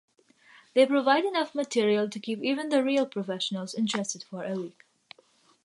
They provide enough material to keep even the real professionals interested for a week.